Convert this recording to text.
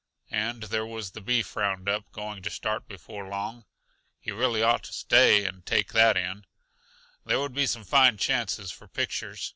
And there was the beef roundup going to start before long he really ought to stay and take that in; there would be some fine chances for pictures.